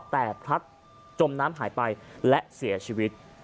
แต่พลัดจมน้ำหายไปและเสียชีวิต